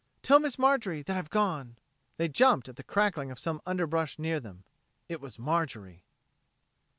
Tell Miss Marjorie that I've gone...." They jumped at the crackling of some underbrush near them. It was Marjorie.